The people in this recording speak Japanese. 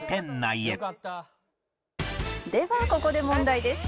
ではここで問題です